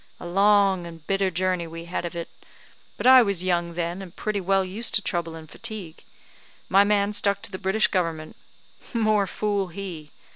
A long and bitter journey we had of it; but I was young then, and pretty well used to trouble and fatigue; my man stuck to the British government. More fool he!